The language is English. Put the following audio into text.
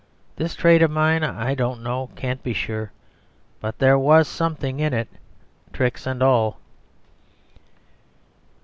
This trade of mine I don't know, can't be sure But there was something in it, tricks and all!"